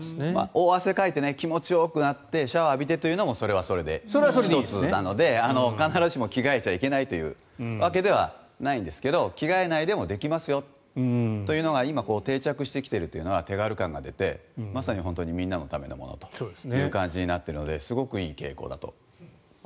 大汗かいて気持ちよくなってシャワーを浴びてというのもそれはそれで１つなので必ずしも着替えちゃいけないというわけではないんですが着替えないでもできますよというのが今、定着してきているというのが手軽感が出てまさにみんなのためのものという感じになっているのですごくいい傾向だと思います。